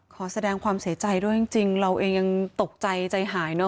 ขอแสดงความเสียใจด้วยจริงเราเองยังตกใจใจหายเนอ